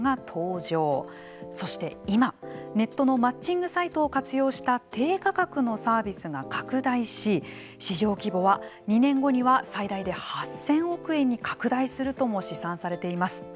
そして今、ネットのマッチングサイトを活用した低価格のサービスが拡大し市場規模は、２年後には最大で８０００億円に拡大するとも試算されています。